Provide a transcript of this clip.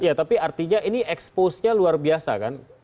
ya tapi artinya ini expose nya luar biasa kan